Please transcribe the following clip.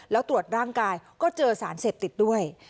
แล้วตรวจร่างกายก็เจอสารเสพติดด้วย